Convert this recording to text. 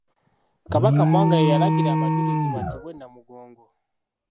Kabaka Mwanga ye yalagira abajulizi battibwe e Namugongo.